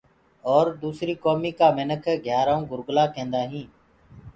اور دوسريٚ ڪوميٚ ڪآ مِنک گھيآرآئون گرگلآ ڪيندآئين۔